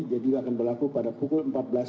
harga ini berlaku pada pukul empat belas tiga puluh